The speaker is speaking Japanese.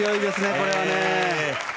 これはね。